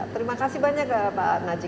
terima kasih banyak pak najib